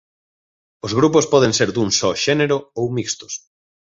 Os grupos poden ser dun só xénero ou mixtos.